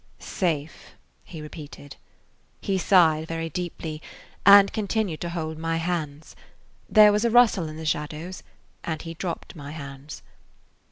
"Safe," he repeated. He sighed very deeply and continued to hold my hands. There was a rustle in the shadows, and he dropped my hands.